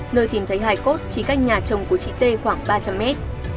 nơi tìm thấy hải cốt chỉ cách nhà chồng của chị t khoảng ba trăm linh mét